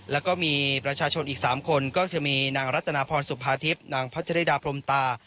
แล้วก็มีประชาชนอีก๓คนก็คือมีนางรัตนาพรสุภาทิพย์นางพัชริดาพรมตา